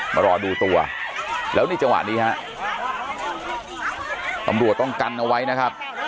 มารอดูตัวแล้วนี่จังหวะนี้ฮะตำรวจต้องกันเอาไว้นะครับ